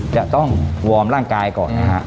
จะต้องวอร์มร่างกายก่อนนะฮะ